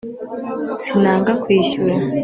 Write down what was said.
sinanga kwishyura